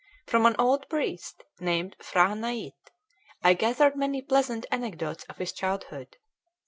From an old priest, named P'hra Naitt, I gathered many pleasant anecdotes of his childhood.